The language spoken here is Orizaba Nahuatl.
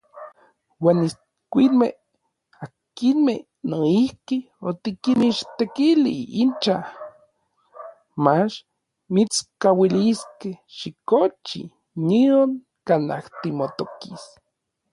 Uan itskuimej, akinmej noijki otikinmichtekili incha, mach mitskauiliskej xikochi nion kanaj timotokis.